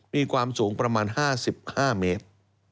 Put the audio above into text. มีความสูงประมาณ๕๕เมตร